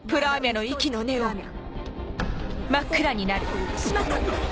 あっ！しまった！